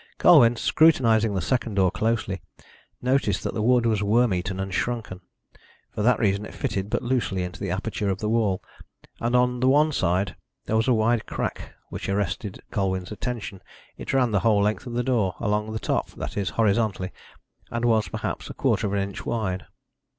Colwyn, scrutinising the second door closely, noticed that the wood was worm eaten and shrunken. For that reason it fitted but loosely into the aperture of the wall, and on the one side there was a wide crack which arrested Colwyn's attention. It ran the whole length of the door, along the top that is, horizontally and was, perhaps, a quarter of an inch wide.